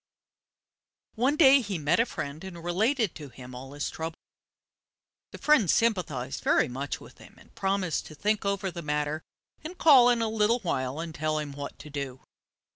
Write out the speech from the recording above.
One day he met a friend and related to him all his troubles. The friend sympathized very much with him, and promised to think over the matter, and call in a little while and tell him what to do.